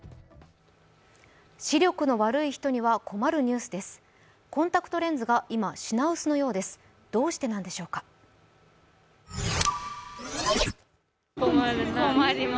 視力の悪い人は困るニュースです。